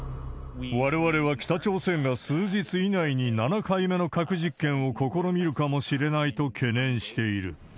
われわれは北朝鮮が、数日以内に７回目の核実験を試みるかもしれないと懸念している。